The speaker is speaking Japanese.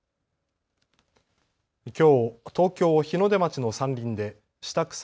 きょう東京日の出町の山林で下草